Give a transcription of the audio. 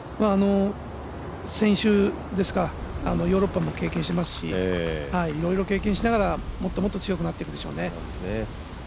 先週、ヨーロッパも経験してますしいろいろ経験しながらもっともっと強くなっていくでしょうね。